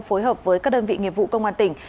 phối hợp với các đơn vị nghiệp vụ công an tỉnh